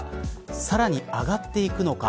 さらに上がっていくのか。